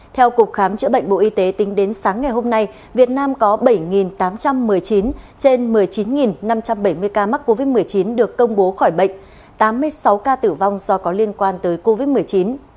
theo cục khám chữa bệnh bộ y tế tính đến sáng ngày hôm nay việt nam có bảy tám trăm một mươi chín trên một mươi chín năm trăm bảy mươi ca mắc covid một mươi chín được công bố khỏi bệnh tám mươi sáu ca tử vong do có liên quan tới covid một mươi chín